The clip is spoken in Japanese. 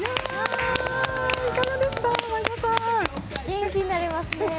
元気になりますね。